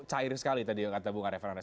cair sekali tadi kata bunga referen